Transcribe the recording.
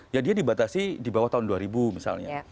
ya dia dibatasi di bawah tahun dua ribu misalnya